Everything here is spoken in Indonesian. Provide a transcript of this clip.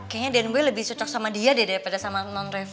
kayaknya denbwell lebih cocok sama dia deh daripada sama non refli